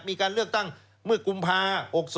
มีการเลือกตั้งเมื่อกุมภา๖๒